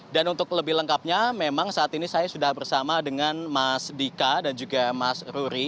dan untuk lebih lengkapnya memang saat ini saya sudah bersama dengan mas dika dan juga mas ruri